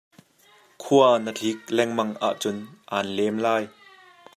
Khua na tlik lengmang ahcun aan lem lai.